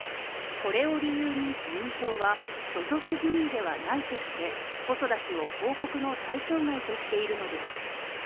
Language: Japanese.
これを理由に、自民党は所属議員ではないとして細田氏を報告の対象外としているのです。